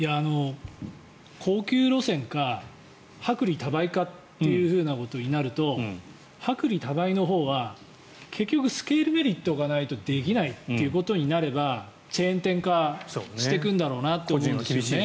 高級路線か薄利多売かということになると薄利多売のほうは結局、スケールメリットがないとできないということになればチェーン店化していくんだろうなと。